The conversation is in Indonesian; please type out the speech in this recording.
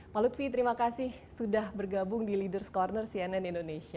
pak lutfi terima kasih sudah bergabung di ⁇ leaders ⁇ corner cnn indonesia